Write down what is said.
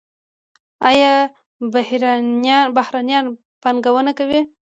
آیا بهرنیان پانګونه کوي؟